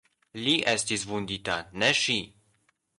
Li estis vundita, ne ŝi.